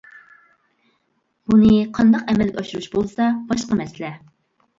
بۇنى قانداق ئەمەلگە ئاشۇرۇش بولسا باشقا مەسىلە.